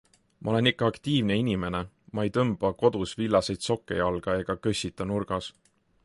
Ma olen ikka aktiivne inimene, ma ei tõmba kodus villaseid sokke jalga ega kössita nurgas.